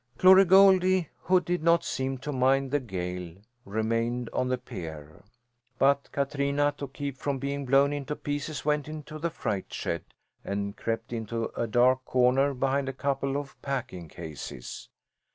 Glory Goldie, who did not seem to mind the gale, remained on the pier. But Katrina, to keep from being blown to pieces, went into the freight shed and crept into a dark corner behind a couple of packing cases.